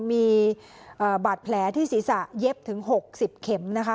มีบาดแผลที่ศีรษะเย็บถึง๖๐เข็มนะคะ